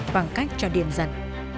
bằng cách cho điện giật